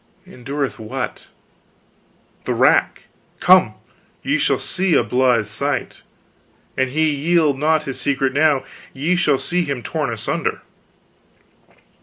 "Endureth what?" "The rack. Come ye shall see a blithe sight. An he yield not his secret now, ye shall see him torn asunder."